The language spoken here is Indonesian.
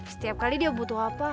setiap kali dia butuh apa